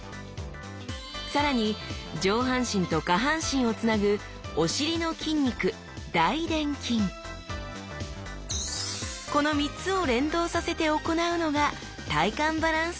更に上半身と下半身をつなぐこの３つを連動させて行うのが「体幹バランス」